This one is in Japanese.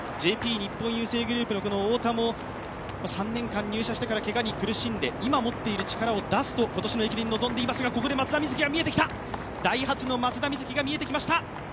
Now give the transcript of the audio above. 日本郵政グループの太田も３年間、入社してからけがに苦しんで今持っている力を出すと、今年の駅伝に臨んでいますがここでダイハツの松田瑞生が見えてきました。